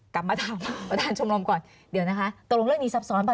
กลับมาถามประธานชมรมก่อนเดี๋ยวนะคะตกลงเรื่องนี้ซับซ้อนป่